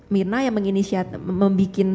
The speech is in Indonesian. mirna yang membuat